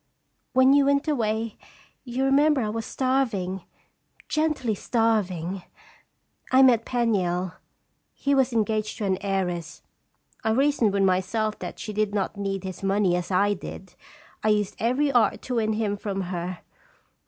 "When you went away you remember I was starving genteelly starving. I met Penniel; he was engaged to an heiress, i reasoned with myself that she did not need his money as I did. I used every art to win him from her."